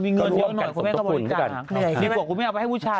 นี่ก็บอกว่าให้พุทธชาย